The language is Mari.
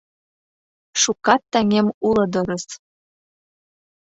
Шукат таҥем уло дырыс